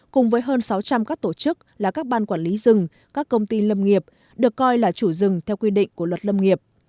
cùng với hơn sáu trăm linh các tổ chức là các ban quản lý rừng các công ty lâm nghiệp được coi là chủ rừng theo quy định của luật lâm nghiệp